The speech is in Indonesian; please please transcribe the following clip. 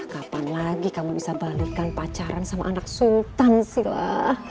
kapan lagi kamu bisa balikan pacaran sama anak sultan sheila